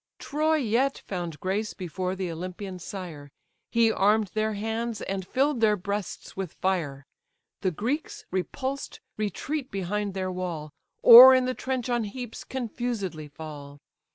Troy yet found grace before the Olympian sire, He arm'd their hands, and fill'd their breasts with fire. The Greeks repulsed, retreat behind their wall, Or in the trench on heaps confusedly fall.